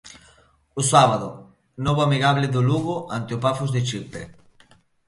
O sábado, novo amigable do Lugo ante o Pafos de Chipre.